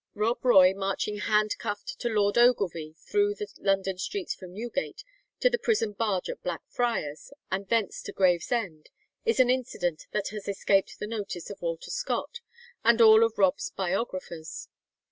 Rob Roy marching handcuffed to Lord Ogilvie through the London streets from Newgate to the prison barge at Blackfriars, and thence to Gravesend, is an incident that has escaped the notice of Walter Scott, and all of Rob's biographers.